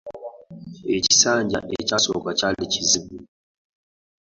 Ekisanja ekyasooka kyali kizibu.